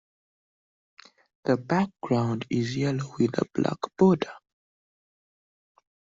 The background is yellow with a black border.